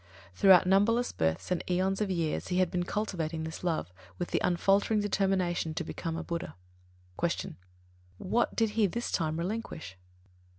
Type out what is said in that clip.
Throughout numberless births and aeons of years he had been cultivating this love, with the unfaltering determination to become a Buddha. 30. Q. _What did he this time relinquish?